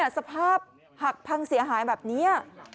สภาพหักพังเสียหายแบบนี้